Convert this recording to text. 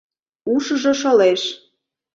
Ушыжо шолеш.